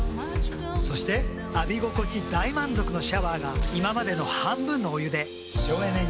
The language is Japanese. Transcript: そして浴び心地大満足のシャワーが今までの半分のお湯で省エネに。